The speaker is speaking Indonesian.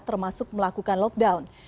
termasuk melakukan lockdown